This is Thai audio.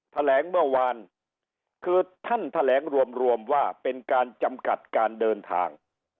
แถลงเมื่อวานคือท่านแถลงรวมว่าเป็นการจำกัดการเดินทาง